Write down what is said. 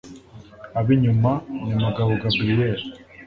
ab’inyuma ni Mugabo Gabriel